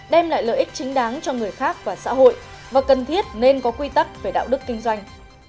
đem lại lợi ích chính đáng cho người khác và xã hội và cần thiết nên có quy tắc về đạo đức kinh doanh